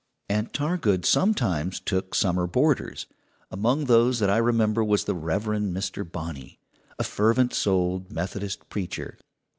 Aunt Targood sometimes took summer boarders. Among those that I remember was the Rev. Mr. Bonney, a fervent souled Methodist preacher.